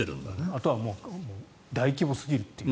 あとは大規模すぎるという。